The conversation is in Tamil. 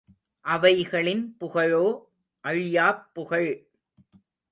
அவைகளின் புகழோ அழியாப் புகழ்.